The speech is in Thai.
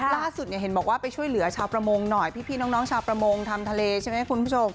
ล่าสุดเห็นบอกว่าไปช่วยเหลือชาวประมงหน่อยพี่น้องชาวประมงทำทะเลใช่ไหมคุณผู้ชม